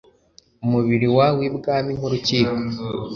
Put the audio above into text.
Umubiri wa wibwami nkurukiko